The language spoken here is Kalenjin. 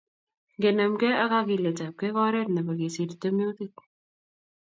Ngenemkei ak kakiletapkei ko oret nebo kesir tiemutik